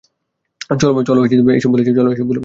চলো এসব ভুলে যাই।